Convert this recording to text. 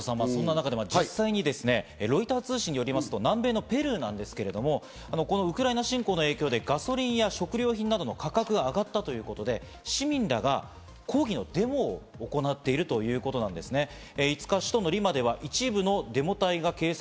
そんな中で実際にロイター通信によりますと南米のペルーなんですけれども、ウクライナ侵攻の影響でガソリンや食料品などの価格が上がったということで、市民らが抗議のデモを行っているということなんですね。